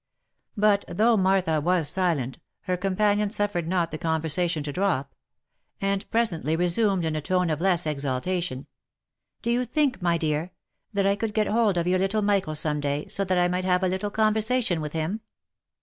But, though Martha was silent, her companion suffered not the conversation to drop; and presently resumed in a tone of less exaltation, —" Do you think, my dear, that I could get hold of your little Michael some day, so that I might have a little conversation with him